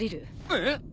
えっ！？